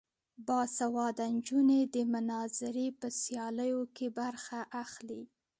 باسواده نجونې د مناظرې په سیالیو کې برخه اخلي.